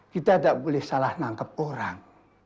kita tidak boleh salah nangkep orang